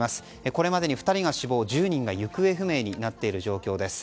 これまでに２人が死亡、１０人が行方不明になっている状況です。